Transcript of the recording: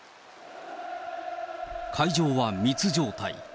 会場は密状態。